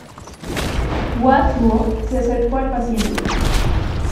Hua Tuo se acercó al paciente.